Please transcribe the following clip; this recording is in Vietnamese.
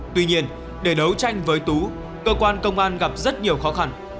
tuy nhiên để đấu tranh với tú cơ quan công an gặp rất nhiều khó khăn